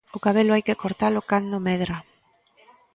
O cabelo hai que cortalo cando medra.